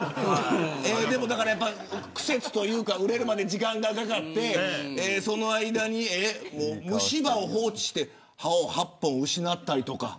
でも、苦節というか売れるまで時間がかかってその間に、虫歯を放置して歯を８本失ったりとか。